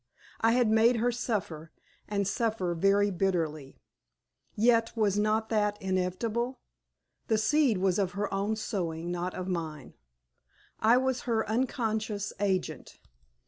I had made her suffer, and suffer very bitterly. Yet was not that inevitable? The seed was of her own sowing, not of mine. I was her unconscious agent.